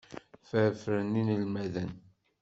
Ffṛefṛen inelmaden.